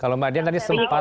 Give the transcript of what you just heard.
kalau mbak dian tadi sempat